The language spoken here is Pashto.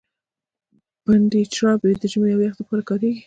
پنډي جراپي د ژمي او يخ د پاره کاريږي.